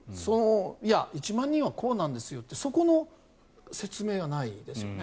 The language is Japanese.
いや、１万人はこうなんですよっていうそこの説明がないですよね。